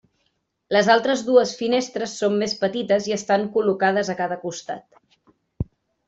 Les altres dues finestres són més petites i estan col·locades a cada costat.